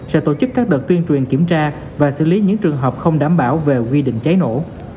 sẽ tổ chức các đợt tuyên truyền kiểm tra và xử lý những trường hợp không đảm bảo về quy định cháy nổ